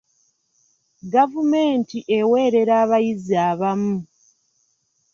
Gavumenti eweerera abayizi abamu.